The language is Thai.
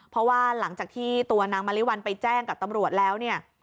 เพราะว่าหลังจากที่ตัวนางมะลิวัลไปแจ้งกับตำรวจแล้วเนี่ย